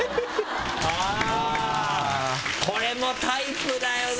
ああ、これもタイプだよな。